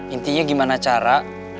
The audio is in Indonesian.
intinya gimana cara